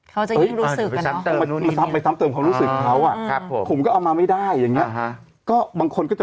เขาจะยิ่งรู้สึกกันเนอะ